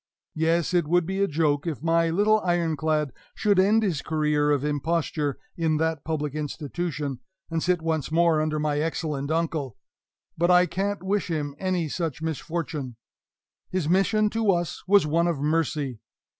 Yes, it would be a joke if my little Iron clad should end his career of imposture in that public institution, and sit once more under my excellent uncle! But I can't wish him any such misfortune. His mission to us was one of mercy.